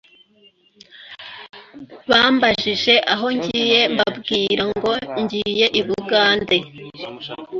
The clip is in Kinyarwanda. bambajije aho ngiye mbabwira ko ngiye i Bugande